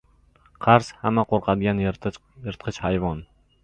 • Qarz — hamma qo‘rqadigan yirtqich hayvon.